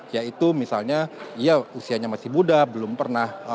yaitu misalnya usianya masih buda belum pernah